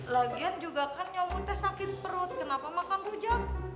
lagian juga kan nyamutnya sakit perut kenapa makan rujak